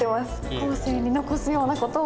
後世に残すような事を？